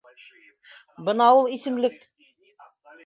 Бына ул исемлек.